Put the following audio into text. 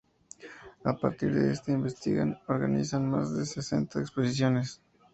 A partir de esta investigan, organizan más de sesenta exposiciones.